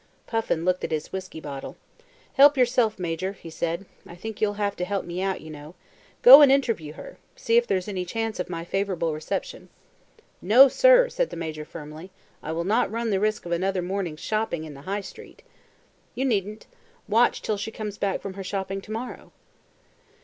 Puffin looked at his whisky bottle. "Help yourself, Major," he said. "I think you'll have to help me out, you know. Go and interview her: see if there's a chance of my favourable reception." "No, sir," said the Major firmly. "I will not run the risk of another morning's shopping in the High Street." "You needn't. Watch till she comes back from her shopping to morrow."